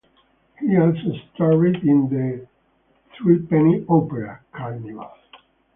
He also starred in "The Threepenny Opera", "Carnival!